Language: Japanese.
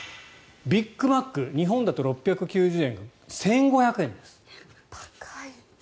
ビッグマック日本だと６９０円が１５００円です。